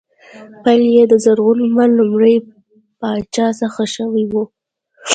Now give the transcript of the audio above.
پیل یې د زرغون لمر لومړي پاچا څخه شوی و